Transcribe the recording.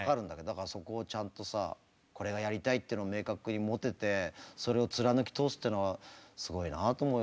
だからそこをちゃんとさこれがやりたいっていうのを明確に持ててそれを貫き通すっていうのはすごいなと思うよその若さで。